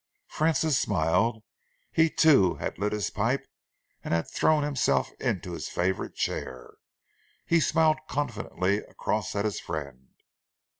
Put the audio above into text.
Francis smiled. He, too, had lit his pipe and had thrown himself into his favourite chair. He smiled confidently across at his friend.